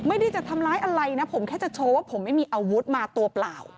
ไม่ได้จะทำร้ายอะไรนะผมแค่จะโชว์ว่าผมไม่มีอาวุธมาตัวเปล่า